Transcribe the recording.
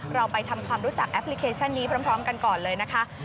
เราไปทำความรู้จักแอปพลิเคชันนี้พร้อมกันก่อนเลยนะคะ